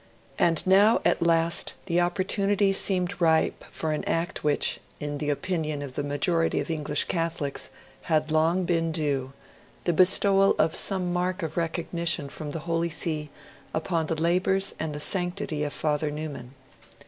And now at last the opportunity seemed ripe for an act which, in the opinion of the majority of English Catholics, had long been due the bestowal of some mark of recognition from the Holy See upon the labours and the sanctity of Father Newman.